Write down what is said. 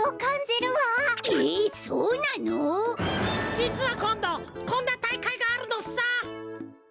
じつはこんどこんな大会があるのさ。